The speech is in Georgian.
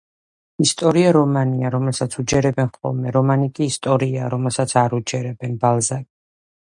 ისტორია რომანია, რომელსაც უჯერებენ ხოლმე, რომანი კი ისტორიაა, რომელსაც არ უჯერებენ.” – ბალზაკი